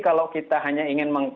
kalau kita hanya ingin